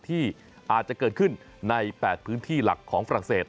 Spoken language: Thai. ที่อาจจะเกิดขึ้นใน๘พื้นที่หลักของฝรั่งเศส